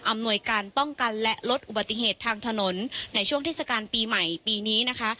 หน่วยการป้องกันและลดอุบัติเหตุทางถนนในช่วงเทศกาลปีใหม่ปีนี้นะคะ